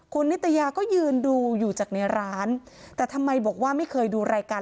คุณนิตยาก็ยืนดูอยู่จากในร้านแต่ทำไมบอกว่าไม่เคยดูรายการ